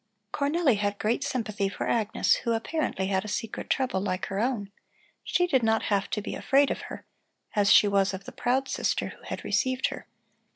Cornelli had great sympathy for Agnes, who apparently had a secret trouble like her own; she did not have to be afraid of her, as she was of the proud sister who had received her.